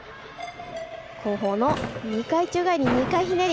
後方の２回宙返り２回ひねり。